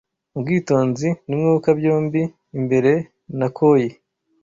Nubwitonzi, numwuka byombi imbere na coyi